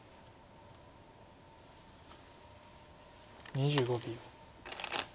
２５秒。